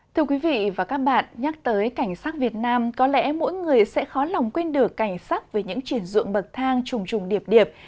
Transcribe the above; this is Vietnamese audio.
thưa quý vị và các bạn nhắc tới cảnh sát việt nam có lẽ mỗi người sẽ khó lòng quên được cảnh sát với những chuyển dụng bậc thang trùng trùng điệp điệp